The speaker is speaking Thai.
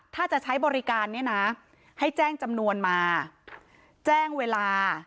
ถ้าจะใช้บริการเนี่ยนะให้แจ้งจำนวนมาแจ้งเวลา